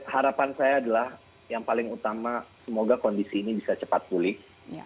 harapan saya adalah yang paling utama semoga kondisi ini bisa cepat pulih